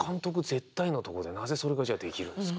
絶対のところでなぜそれがじゃあできるんですか？